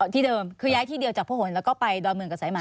ที่เดิมคือย้ายที่เดียวจากพระหลแล้วก็ไปดอนเมืองกับสายหมา